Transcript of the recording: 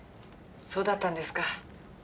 そうだったんですか。